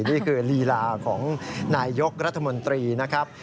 นี่คือลีลาของนายยกรัฐมนตรีนะครับ